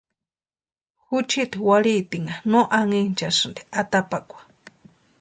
Juchiti warhiitinha no anhinchasïnti atapakwa.